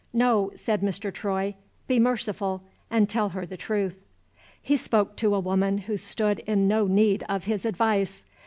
"No," said Mr. Troy. "Be merciful, and tell her the truth!" He spoke to a woman who stood in no need of his advice.